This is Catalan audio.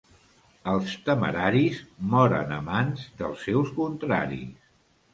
Els temeraris moren a mans dels seus contraris.